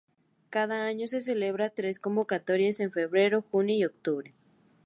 Cada año se celebran tres convocatorias en febrero, junio y octubre.